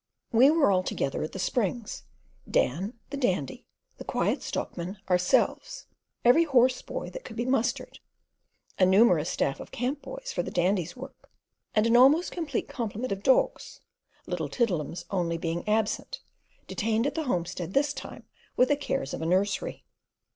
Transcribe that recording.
We were altogether at the Springs: Dan, the Dandy, the Quiet Stockman, ourselves, every horse "boy" that could be mustered, a numerous staff of camp "boys" for the Dandy's work, and an almost complete complement of dogs, Little Tiddle'ums only being absent, detained at the homestead this time with the cares of a nursery.